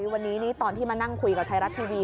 วันนี้ตอนที่มานั่งคุยกับไทยรัฐทีวี